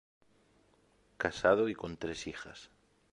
Casado y con tres hijas.